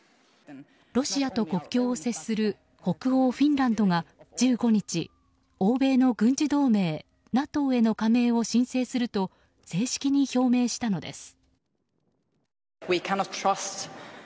ロシアと国境を接する北欧フィンランドが１５日欧米の軍事同盟ＮＡＴＯへの加盟を申請すると正式に表明したのです。